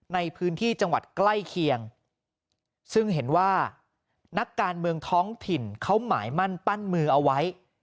ในพื้นที่จังหวัดใกล้เคียงซึ่งเห็นว่านักการเมืองท้องถิ่นเขาหมายมั่นปั้นมือเอาไว้